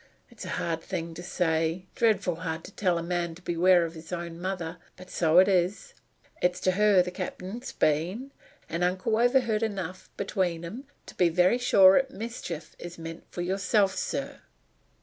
It's a hard thing to say dreadful hard to tell a man to beware of his own mother but so it is. It's to her the cap'n has been; and uncle overheard enough between 'em to be very sure 'at mischief is meant to yourself, sir!"